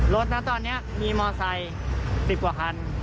รถนะตอนนี้มีมอไซค์๑๐กว่าคัน